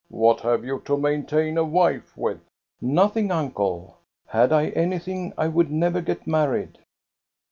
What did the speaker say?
What have you to maintain a wife with ?"" Nothing, uncle. Had I anything, I would never get married."